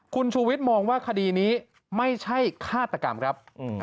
คุณชูวิทย์มองว่าคดีนี้ไม่ใช่ฆาตกรรมครับ